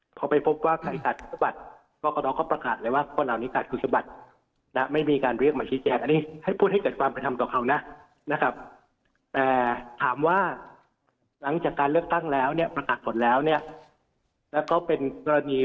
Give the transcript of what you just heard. พอไปพบว่ารายศัตรูขุ้มชาติพรก็ขอประกาศเลยว่าพวกเรานี้ขาดคุณชาติ